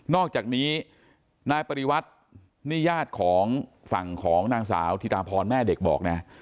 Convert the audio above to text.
อกจากนี้นายปริวัตินี่ญาติของฝั่งของนางสาวธิตาพรแม่เด็กบอกนะ